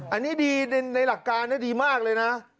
อันนี้ดีในหลักการดีมากเลยนะ